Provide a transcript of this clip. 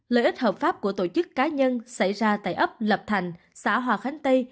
lợi ích hợp pháp của tổ chức cá nhân xảy ra tại ấp lập thành xã hòa khánh tây